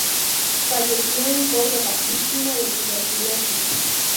Falleció en Córdoba, víctima de tuberculosis.